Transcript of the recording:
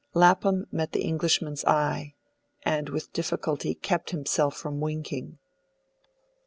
Lapham met the Englishman's eye, and with difficulty kept himself from winking.